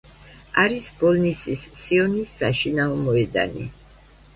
არის ბოლნისის სიონის საშინაო მოედანი.